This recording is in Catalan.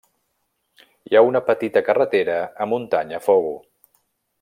Hi ha una petita carretera a Muntanya Fogo.